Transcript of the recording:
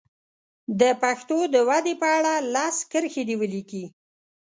د پښتو د ودې په اړه لس کرښې دې ولیکي.